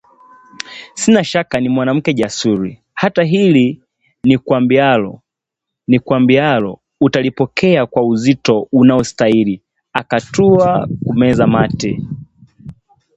Sina shaka ni mwanamke jasiri, hata hili nikuambialo utalipokea kwa uzito unaostaili! Akatua kumeza mate